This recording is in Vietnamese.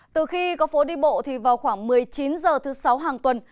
từ khi có phố đi bộ thì vào khoảng một mươi chín h thứ sáu hàng tuần